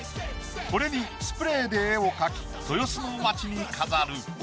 これにスプレーで絵を描き豊洲の街に飾る。